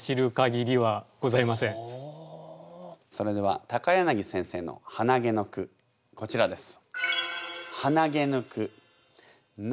それでは柳先生の「はなげ」の句こちらです。